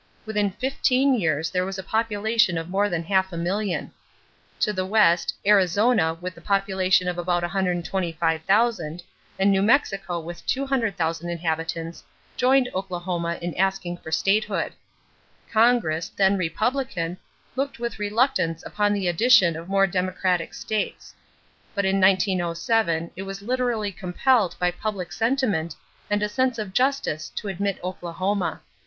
Within fifteen years there was a population of more than half a million. To the west, Arizona with a population of about 125,000 and New Mexico with 200,000 inhabitants joined Oklahoma in asking for statehood. Congress, then Republican, looked with reluctance upon the addition of more Democratic states; but in 1907 it was literally compelled by public sentiment and a sense of justice to admit Oklahoma.